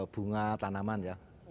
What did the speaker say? bunga tanaman ya